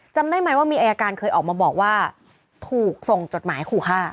จำได้ไหมว่ามีอายการเคยออกมาบอกว่าถูกส่งจดหมายขู่ฆ่า